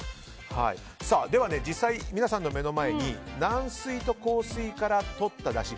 では実際、皆さんの目の前に軟水と硬水からとっただし